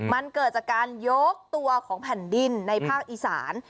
มันเกิดจากการยกตัวของแผ่นดินในภาคอีสาน